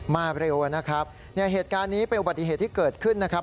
เร็วนะครับเนี่ยเหตุการณ์นี้เป็นอุบัติเหตุที่เกิดขึ้นนะครับ